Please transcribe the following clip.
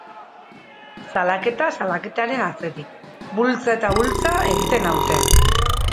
Salaketa salaketaren atzetik, bultza eta bultza egiten naute.